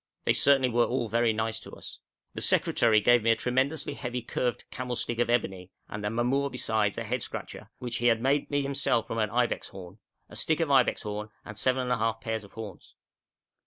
They certainly were all very nice to us. The secretary gave me a tremendously heavy curved camel stick of ebony, and the mamour besides a head scratcher, which he had made me himself from an ibex horn, a stick of ibex horn, and seven and a half pairs of horns.